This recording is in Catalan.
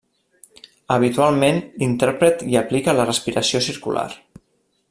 Habitualment l'intèrpret hi aplica la respiració circular.